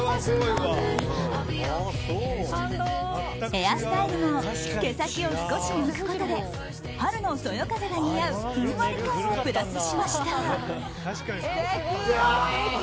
ヘアスタイルも毛先を少し巻くことで春のそよ風が似合うふんわり感をプラスしました。